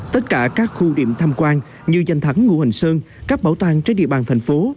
tất cả các khu điểm tham quan như danh thắng ngo hình sơn các bảo tàng trên địa bàn thành phố